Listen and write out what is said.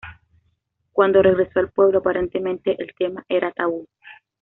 Cuándo regresó al pueblo, aparentemente el tema era tabú.